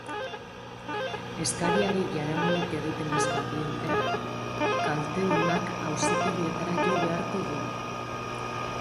Eskariari jaramonik egiten ez badiote, kaltedunak auzitegietara jo beharko du.